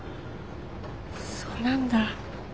そうなんだ。